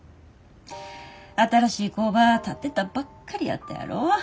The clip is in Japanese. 新しい工場建てたばっかりやったやろ。